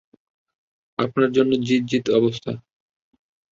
আপনার জন্য জিত-জিত অবস্থা।